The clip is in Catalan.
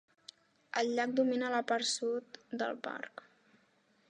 El llac domina la part sud del parc.